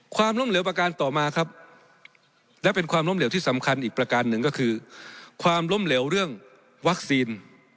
ความล้มเหลวประการต่อมาครับและเป็นความล้มเหลวที่สำคัญอีกประการหนึ่งก็คือความล้มเหลวเรื่องวัคซีน